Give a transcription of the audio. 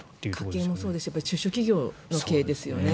家計もそうですし中小企業の経営ですよね。